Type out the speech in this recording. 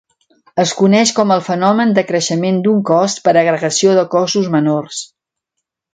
Es coneix com el fenomen de creixement d'un cos per agregació de cossos menors.